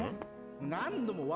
何度もん？